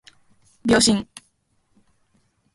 秒針